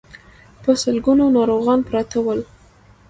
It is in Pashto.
په سلګونو ناروغان پراته ول.